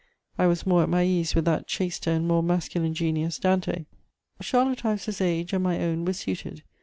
I was more at my ease with that chaster and more masculine genius, Dante. Charlotte Ives's age and my own were suited.